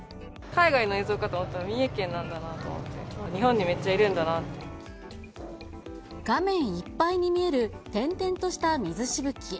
海外の映像かと思ったら三重県なんだなと思って、画面いっぱいに見える点々とした水しぶき。